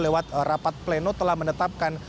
lewat rapat pleno telah menetapkan